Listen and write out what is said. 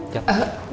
jalan dulu ya